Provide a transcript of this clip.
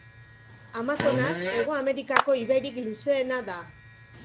Amazonas Hego Amerikako ibairik luzeena da.